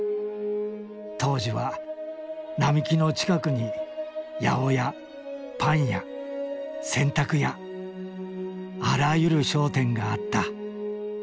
当時は並木の近くに八百屋パン屋洗濯屋あらゆる商店があった。